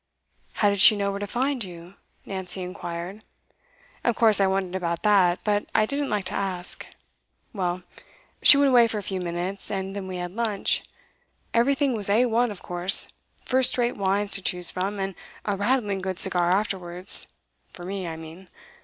'How did she know where to find you?' Nancy inquired. 'Of course I wondered about that, but I didn't like to ask. Well, she went away for a few minutes, and then we had lunch. Everything was A 1 of course; first rate wines to choose from, and a rattling good cigar afterwards for me, I mean.